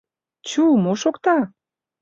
«Чу, мо шокта?..